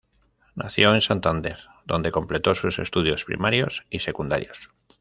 Nació en Santander, donde completó sus estudios primarios y secundarios.